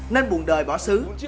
nên buồn đời bỏ xứ